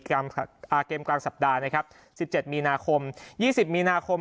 กลางอ่าเกมกลางสัปดาห์นะครับสิบเจ็ดมีนาคมยี่สิบมีนาคม